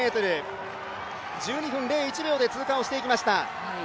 ４０００ｍ、１２分０１秒で通過していきました。